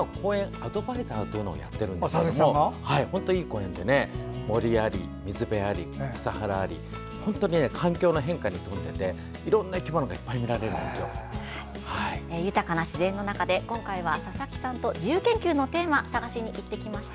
アドバイザーというのをやっているんですが本当にいい公園で森あり、水辺あり、草原あり環境の変化に富んでていろいろな豊かな自然の中で今回は佐々木さんと自由研究のテーマ探しに行ってきました。